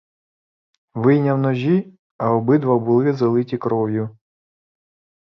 Вийняв ножі, а обидва були залиті кров'ю!